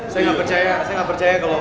saya gak percaya saya gak percaya kalau